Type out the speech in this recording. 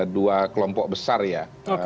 dua kelompok besar ya